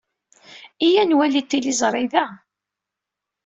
Iyya ad nwali tiliẓri da.